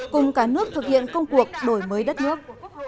cùng cả nước thực hiện công cuộc đổi mới đất nước